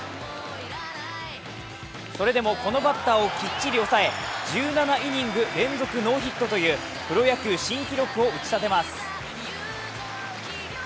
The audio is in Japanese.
それでもこのバッターをきっちり抑え１７イニング連続ノーヒットというプロ野球新記録を打ち立てます。